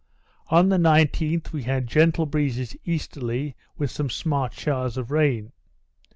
On the 19th, we had gentle breezes easterly, with some smart showers of rain.